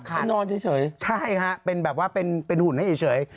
ให้นอนเฉยครับใช่ครับเป็นหุ่นให้เฉย